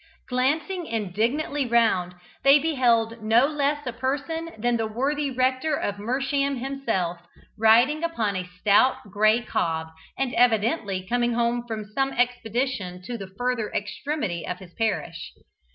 Glancing indignantly round, they beheld no less a person than the worthy rector of Mersham himself, riding upon a stout gray cob, and evidently coming home from some expedition to the further extremity of his parish.